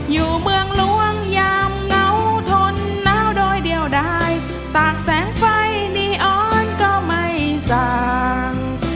อยู่เมืองหลวงยามเหงาทนหนาวโดยเดียวได้ตากแสงไฟนีออนก็ไม่สั่ง